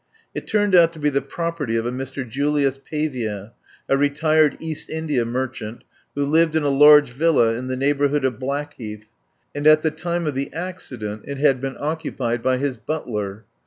It turned out to be the property of a Mr. Julius Pavia, a retired East India merchant, who lived in a large villa in the neighbourhood of Blackheath, and at the time of the accident it had been occupied by his butler.